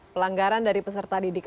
pelanggaran dari peserta didik